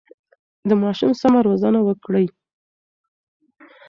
د ماشومانو سمه روزنه وکړئ.